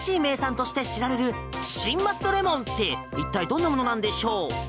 千葉の新しい名産として知られている新松戸レモンって一体どんなものなんでしょう？